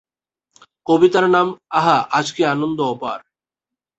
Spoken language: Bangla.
কবিতার নাম "আহা, আজ কি আনন্দ অপার!"।